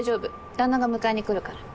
旦那が迎えに来るから。